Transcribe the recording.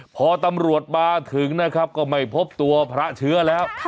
พอตำรวจมาถึงนะครับก็ไม่พบตัวพระเชื้อแล้ว